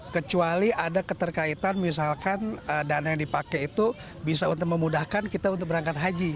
kecuali ada keterkaitan misalkan dana yang dipakai itu bisa untuk memudahkan kita untuk berangkat haji